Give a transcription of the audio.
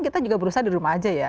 kita juga berusaha di rumah aja ya